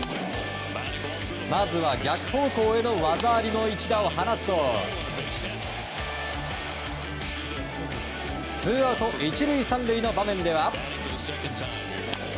まずは、逆方向への技ありの一打を放つとツーアウト１塁３塁の場面では。